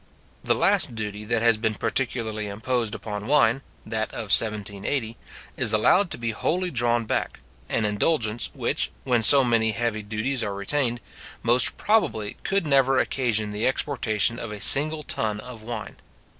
The last duty that has been particularly imposed upon wine, that of 1780, is allowed to be wholly drawn back; an indulgence which, when so many heavy duties are retained, most probably could never occasion the exportation of a single ton of wine.